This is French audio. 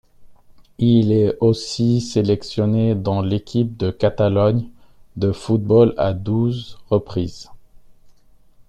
Il est aussi sélectionné dans l'équipe de Catalogne de football à douze reprises.